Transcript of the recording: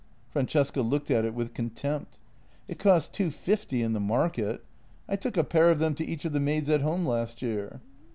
Francesca looked at it with contempt. " It costs two fifty in the market. I took a pair of them to each of the maids at home last year."